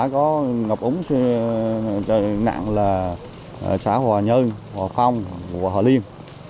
có ngọc úng trời nạn xã hòa nhơn hòa phong hòa liên